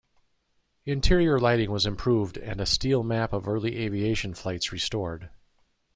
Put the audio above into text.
Interior lighting was improved and a steel map of early aviation flights restored.